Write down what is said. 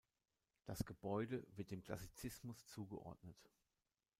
Das Gebäude wird dem Klassizismus zugeordnet.